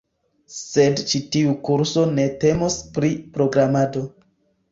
sed ĉi tiu kurso ne temos pri programado